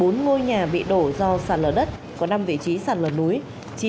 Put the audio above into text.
bốn ngôi nhà bị đổ do sạt lở đất có năm vị trí sạt lở núi